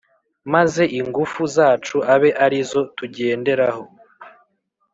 maze ingufu zacu abe ari zo tugenderaho,